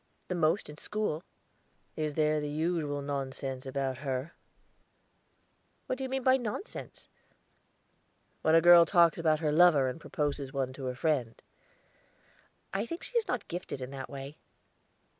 "The most in school." "Is there the usual nonsense about her?" "What do you mean by nonsense?" "When a girl talks about her lover or proposes one to her friend." "I think she is not gifted that way."